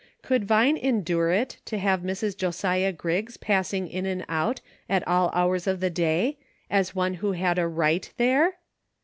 Could Vine endure it to have Mrs. Josiah Griggs passing in and out at all hours of the day, as one who had a right there